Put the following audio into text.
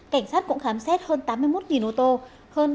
cảnh sát cũng khám xét hơn tám mươi một người